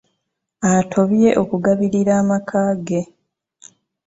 Atobye okugabirira amakaage.